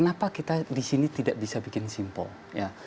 kenapa kita di sini tidak bisa bikin simple